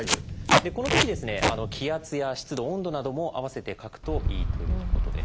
このとき気圧や湿度温度なども併せて書くといいということです。